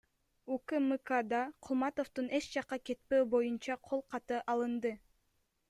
УКМКда Кулматовдон эч жакка кетпөө боюнча кол каты алынды.